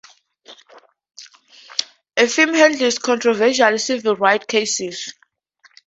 The firm handles controversial civil rights cases.